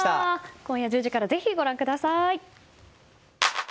今夜１０時からぜひご覧ください。